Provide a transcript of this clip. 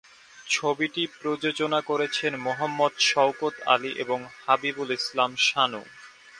ছবিটি প্রযোজনা করেছেন মোহাম্মদ শওকত আলি এবং হাবিবুল ইসলাম শানু।